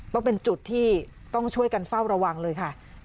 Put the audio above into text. ก็เป็นจุดที่ต้องช่วยกันเฝ้าระวังเลยค่ะ